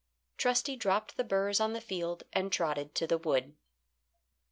Trusty dropped the burrs on the field and trotted to the wood.